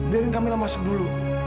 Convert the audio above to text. biarin kamilah masuk dulu